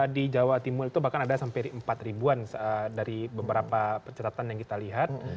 di jawa timur itu bahkan ada sampai empat ribuan dari beberapa pencetatan yang kita lihat